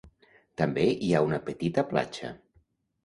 També hi ha una petita platja.